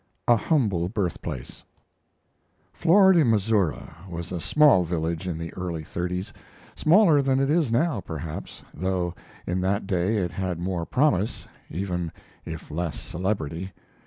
A HUMBLE BIRTHPLACE Florida, Missouri, was a small village in the early thirties smaller than it is now, perhaps, though in that day it had more promise, even if less celebrity.